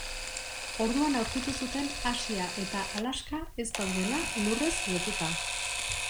Orduan aurkitu zuten Asia eta Alaska ez daudela lurrez lotuta.